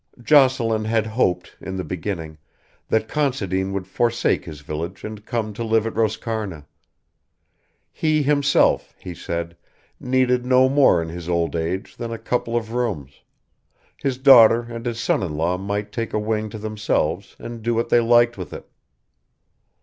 Jocelyn had hoped, in the beginning, that Considine would forsake his village and come to live at Roscarna. He himself, he said, needed no more in his old age than a couple of rooms; his daughter and his son in law might take a wing to themselves and do what they liked with it.